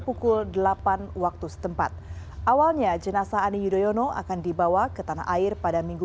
pukul delapan waktu setempat awalnya jenazah ani yudhoyono akan dibawa ke tanah air pada minggu